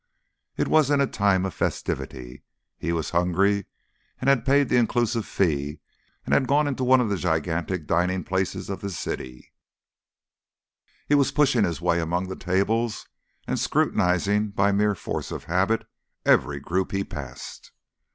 It was in a time of festivity. He was hungry; he had paid the inclusive fee and had gone into one of the gigantic dining places of the city; he was pushing his way among the tables and scrutinising by mere force of habit every group he passed.